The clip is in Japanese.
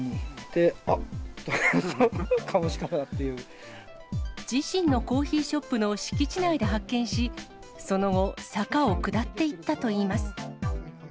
で、あっ、自身のコーヒーショップの敷地内で発見し、その後、坂を下っていったといいます。